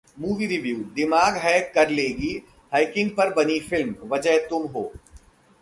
Movie Review: दिमाग hack कर लेगी हैकिंग पर बनी फिल्म 'वजह तुम हो'